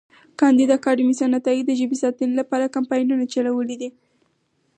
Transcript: کانديد اکاډميسن عطایي د ژبې ساتنې لپاره کمپاینونه چلولي دي.